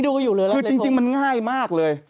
ดูอยู่เลยคุณละโอเคผมคือจริงมันง่ายมากเลย